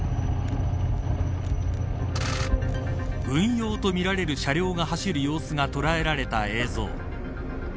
軍用と見られる車両が走る様子が捉えられた映像。